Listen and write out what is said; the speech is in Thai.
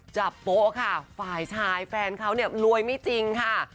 จับโป๊ะค่ะฝ่ายชายแฟนเขารวยไม่จริงค่ะ